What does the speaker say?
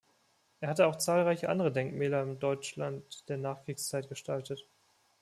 Er hatte auch zahlreiche andere Denkmäler im Deutschland der Nachkriegszeit gestaltet.